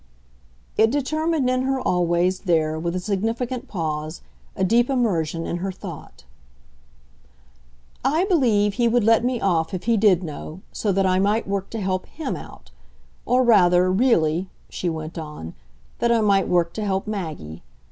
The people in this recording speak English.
It determined in her always, there, with a significant pause, a deep immersion in her thought. "I believe he would let me off if he did know so that I might work to help HIM out. Or rather, really," she went on, "that I might work to help Maggie.